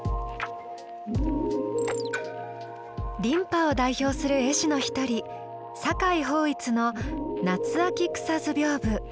「琳派」を代表する絵師の一人酒井抱一の「夏秋草図屏風」。